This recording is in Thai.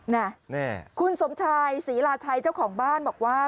น่ะคุณสมชายศรีลาชัยเจ้าของบ้านบอกว่า